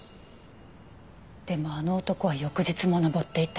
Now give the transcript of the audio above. でもあの男は翌日も登っていた。